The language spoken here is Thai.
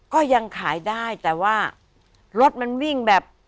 ก็ยังขายได้แต่ว่ารถมันวิ่งแบบ